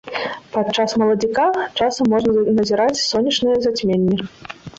Падчас маладзіка часам можна назіраць сонечнае зацьменне.